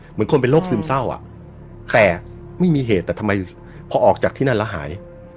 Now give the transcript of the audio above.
เหมือนคนเป็นโรคซึมเศร้าอ่ะแต่ไม่มีเหตุแต่ทำไมพอออกจากที่นั่นแล้วหาย